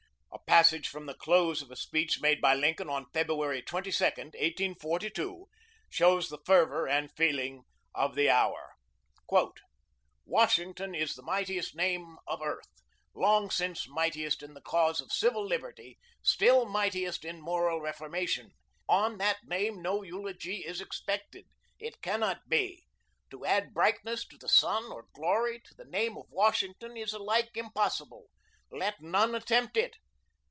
A passage from the close of a speech made by Lincoln on February 22, 1842, shows the fervor and feeling of the hour: "Washington is the mightiest name of earth long since mightiest in the cause of civil liberty; still mightiest in moral reformation. On that name no eulogy is expected. It cannot be. To add brightness to the sun or glory to the name of Washington is alike impossible. Let none attempt it.